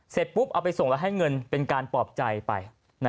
ปุ๊บเอาไปส่งแล้วให้เงินเป็นการปลอบใจไป